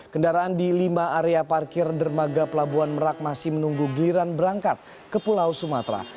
kendaraan di lima area parkir dermaga pelabuhan merak masih menunggu giliran berangkat ke pulau sumatera